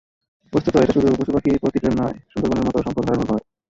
বস্তুত, এটা শুধু পশুপাখির প্রতি প্রেম নয়, সুন্দরবনের মতো সম্পদ হারানোর ভয়।